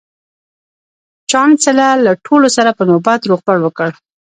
چانسلر له ټولو سره په نوبت روغبړ وکړ